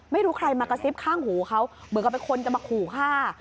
ไม่รู้ใครมากระซิบข้างหูเขาเหมือนกับเป็นคนจะมาขู่ฆ่า